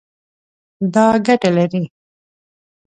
دا ګټه لري